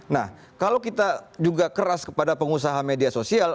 nah kalau kita juga keras kepada pengusaha media sosial